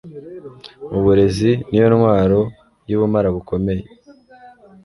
Uburezi niyo ntwaro yubumara bukomeye